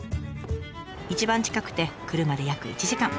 一番近くて車で約１時間。